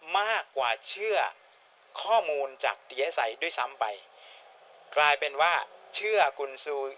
มากกว่าเชื่อข้อมูลจากเตียสัยด้วยซ้ำไปกลายเป็นว่าเชื่อกุญซู